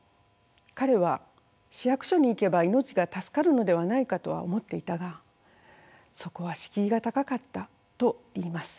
彼は市役所に行けば命が助かるのではないかとは思っていたがそこは敷居が高かったといいます。